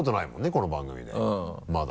この番組でまだ。